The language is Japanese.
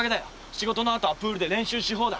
仕事の後はプールで練習し放題。